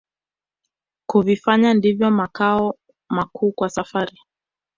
Kuvifanya ndiyo makao makuu kwa safari